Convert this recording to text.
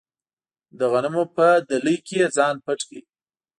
د غنمو په دلۍ کې یې ځان پټ کړ.